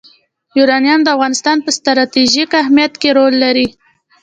یورانیم د افغانستان په ستراتیژیک اهمیت کې رول لري.